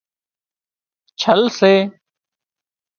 ڇل سي